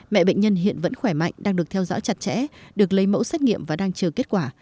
mẹ bệnh nhân hiện vẫn khỏe mạnh đang được theo dõi chặt chẽ được lấy mẫu xét nghiệm và đang chờ kết quả